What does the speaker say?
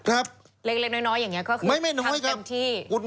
เล็กน้อยอย่างนี้ก็คือทำเต็มที่ไม่ครับ